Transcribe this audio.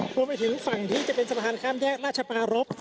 พบเข้าไปถึงสถานที่จะเป็นสถานข้ามแยกราชปรรพ